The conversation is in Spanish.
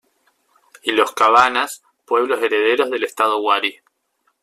Y los cabanas, pueblos herederos del estado Wari.